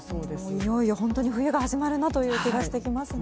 いよいよ本当に冬が始まるなという気がしてきましたね。